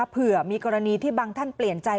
เผื่อมีกรณีที่บางท่านเปลี่ยนใจ